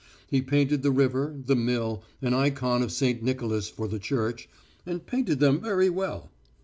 He painted the river, the mill, an ikon of St. Nicholas for the church and painted them very well.